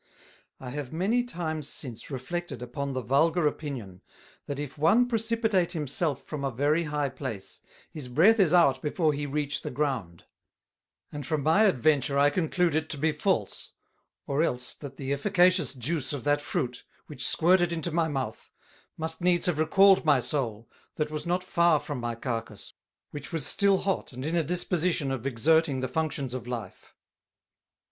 I have many times since reflected upon the vulgar Opinion, That if one precipitate himself from a very high place, his breath is out before he reach the ground; and from my adventure I conclude it to be false, or else that the efficacious Juyce of that Fruit, which squirted into my mouth, must needs have recalled my soul, that was not far from my Carcass, which was still hot and in a disposition of exerting the Functions of Life.